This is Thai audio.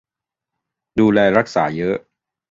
- ดูแลรักษาเยอะ